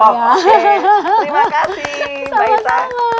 oke terima kasih mbak itta